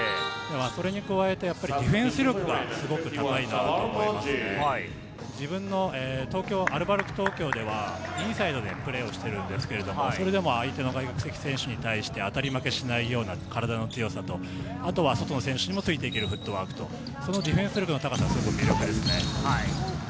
それに加えてオフェンス力はすごく高いので、自分のアルバルク東京ではインサイドでプレーをしているんですけれども、それでも相手の選手に対して当たり負けしないような体の強さと、あとは外の選手にもついていけるフットワークとディフェンス力の高さも魅力です。